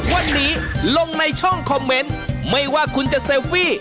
วันนี้ลงในช่องคอมเมนต์ไม่ว่าคุณจะเซลฟี่